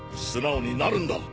素直になるんだ。